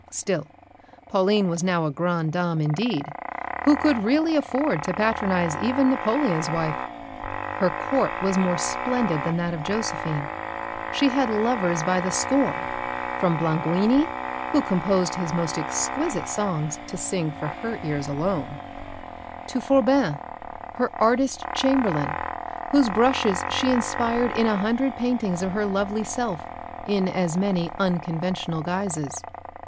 Still, Pauline was now a grande dame indeed, who could really afford to patronise even Napoleon's wife. Her Court was more splendid than that of Josephine. She had lovers by the score from Blanguini, who composed his most exquisite songs to sing for her ears alone, to Forbin, her artist Chamberlain, whose brushes she inspired in a hundred paintings of her lovely self in as many unconventional guises.